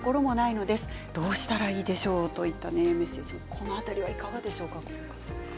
この辺りはいかがですか？